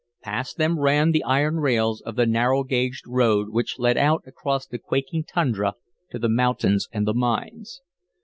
Past them ran the iron rails of the narrow gauged road which led out across the quaking tundra to the mountains and the mines.